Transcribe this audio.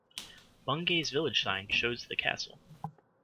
Bungay's village sign shows the castle.